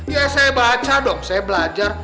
ya saya baca dong saya belajar